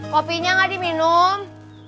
kopinya gak di minum